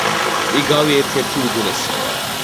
იგავი ერთ-ერთი უძველესი